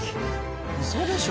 ウソでしょ？